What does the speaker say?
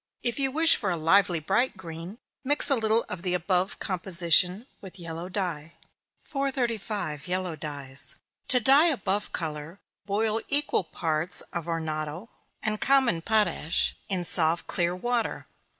If you wish for a lively bright green, mix a little of the above composition with yellow dye. 435. Yellow Dyes. To dye a buff color, boil equal parts of arnotto and common potash, in soft clear water.